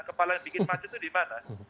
kepala yang bikin macet itu dimana